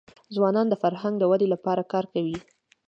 ځوانان د فرهنګ د ودي لپاره کار کوي.